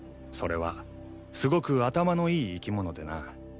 それはすごく頭のいい生き物でな。